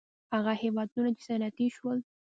هغه هېوادونه چې صنعتي شول.